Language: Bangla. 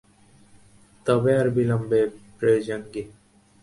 তবে আর বিলম্বে প্রয়োজন কী?